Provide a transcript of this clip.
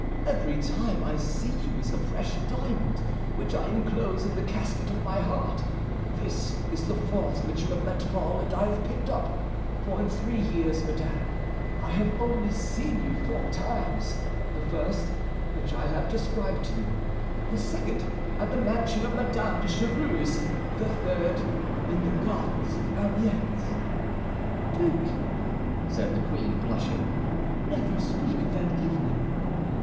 Every time I see you is a fresh diamond which I enclose in the casket of my heart. This is the fourth which you have let fall and I have picked up; for in three years, madame, I have only seen you four times—the first, which I have described to you; the second, at the mansion of Madame de Chevreuse; the third, in the gardens of Amiens." "Duke," said the queen, blushing, "never speak of that evening."